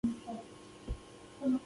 دوی له سعودي سره اړیکې ښې کړې.